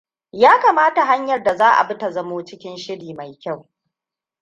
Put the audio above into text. Ya kamata hanyar da za a bi ta zamo cikin shiri mai kyau.